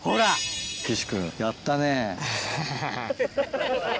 岸君やったね。